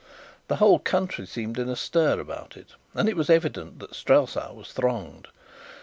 The whole country seemed in a stir about it, and it was evident that Strelsau was thronged.